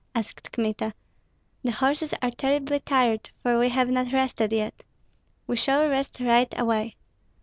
asked Kmita. "The horses are terribly tired, for we have not rested yet." "We shall rest right away!"